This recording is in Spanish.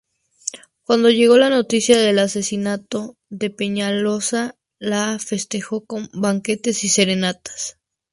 Cuando llegó la noticia del asesinato de Peñaloza, la festejó con banquetes y serenatas.